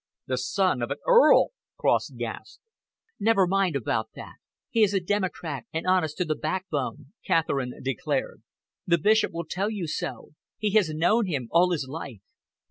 "The son of an Earl!" Cross gasped. "Never mind about that. He is a democrat and honest to the backbone," Catherine declared. "The Bishop will tell you so. He has known him all his life.